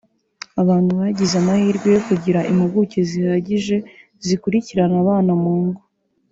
abantu bagize amahirwe yo kugira impuguke zihagije zikurikirana abana mu ngo